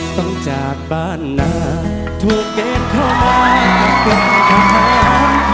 ต้องจากบ้านหนาถูกเกณฑ์เข้ามาเปลี่ยนทะเทียม